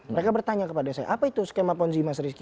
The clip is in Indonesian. mereka bertanya kepada saya apa itu skema ponzi mas rizky